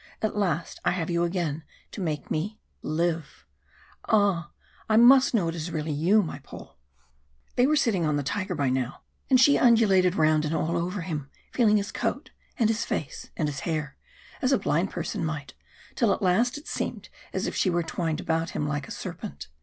At last I have you again to make me live. Ah! I must know it is really you, my Paul!" They were sitting on the tiger by now, and she undulated round and all over him, feeling his coat, and his face, and his hair, as a blind person might, till at last it seemed as if she were twined about him like a serpent.